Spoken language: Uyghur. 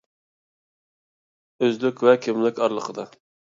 ئۆزلۈك ۋە كىملىك ئارىلىقىدا.